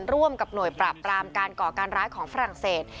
ร่วมกับหน่วยปราบปรามการก่อการร้ายของฝรั่งเศส